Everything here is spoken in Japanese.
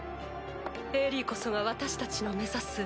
エリィこそが私たちの目指す